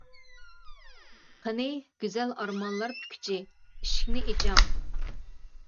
قېنى گۈزەل ئارمانلار پۈككۈچى ئىشىكنى ئېچىڭ!